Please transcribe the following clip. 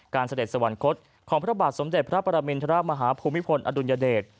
เสด็จสวรรคตของพระบาทสมเด็จพระปรมินทรมาฮภูมิพลอดุลยเดช